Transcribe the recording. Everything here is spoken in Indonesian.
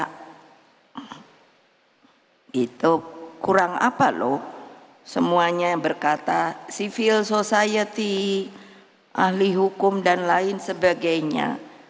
karena itu kurang apa loh semuanya yang berkata civil society ahli hukum dan lain sebagainya